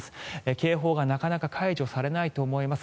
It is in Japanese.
警報がなかなか解除されないと思います。